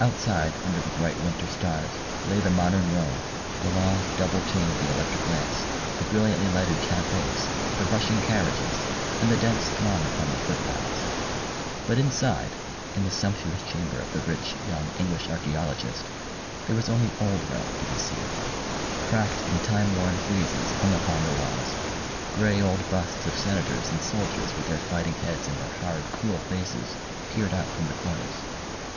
Outside under the bright winter stars lay the modern Rome, the long, double chain of the electric lamps, the brilliantly lighted cafes, the rushing carriages, and the dense throng upon the footpaths. But inside, in the sumptuous chamber of the rich young English archaeologist, there was only old Rome to be seen. Cracked and time worn friezes hung upon the walls, grey old busts of senators and soldiers with their fighting heads and their hard, cruel faces peered out from the corners.